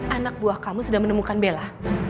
anak buah kamu sudah menemukan bella